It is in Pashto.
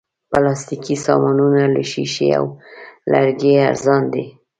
پلاستيکي سامانونه له شیشې او لرګي ارزانه دي.